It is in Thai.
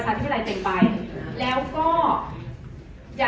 อ๋อแต่มีอีกอย่างนึงค่ะ